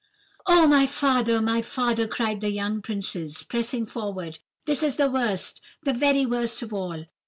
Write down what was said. "'Oh, my father, my father,' cried the young princes, pressing forward, 'this is the worst, the very worst of all!